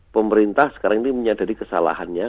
pemerintah sekarang ini menyadari kesalahannya